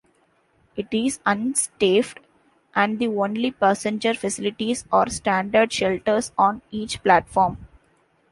It is unstaffed, and the only passenger facilities are standard shelters on each platform.